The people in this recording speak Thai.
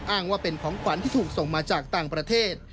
อ้างว่าเป็นของขวัญที่ถูกส่งมาจากต่างประเทศ